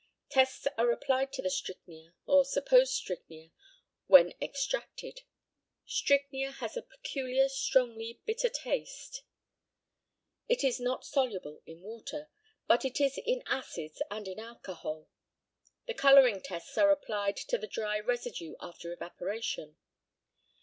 Tests are applied to the strychnia, or supposed strychnia, when extracted. Strychnia has a peculiar strongly bitter taste. It is not soluble in water, but it is in acids and in alcohol. The colouring tests are applied to the dry residue after evaporation.